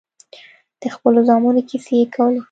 د خپلو زامنو کيسې يې کولې.